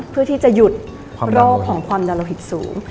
เพื่อที่จะหยุดโรคของความยะละผิดสูง